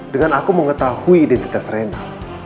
dengan aku mengetahui identitas rena